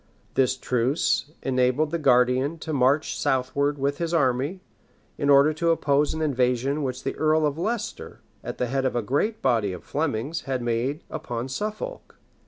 This truce enabled the guardian to march southwards with his army, in order to oppose an invasion which the earl of Leicester, at the head of a great body of Flemings, had made upon Suffolk.